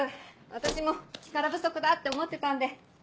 私も力不足だって思ってたんで。